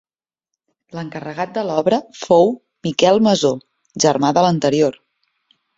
L'encarregat de l'obra fou Miquel Masó, germà de l'anterior.